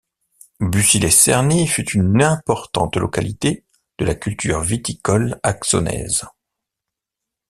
Bucy-les-Cerny fut une importante localité de la culture viticole axonaise.